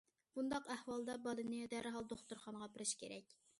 بۇنداق ئەھۋالدا بالىنى دەرھال دوختۇرخانىغا ئاپىرىش كېرەك.